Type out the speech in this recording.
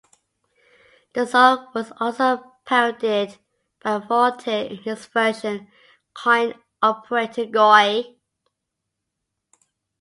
The song was also parodied by Voltaire in his version "Coin-Operated Goi".